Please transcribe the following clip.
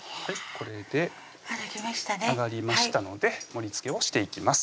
これで揚がりましたので盛りつけをしていきます